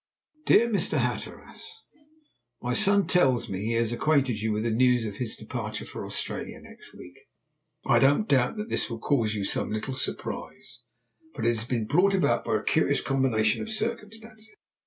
"DEAR MR. HATTERAS, "My son tells me he has acquainted you with the news of his departure for Australia next week. I don't doubt this will cause you some little surprise; but it has been brought about by a curious combination of circumstances.